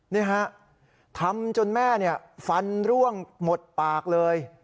นี่ฮะทำจนแม่ฟันร่วงหมดปากเลย